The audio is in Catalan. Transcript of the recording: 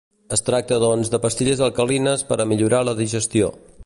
Es tracta doncs de pastilles alcalines per a millorar la digestió.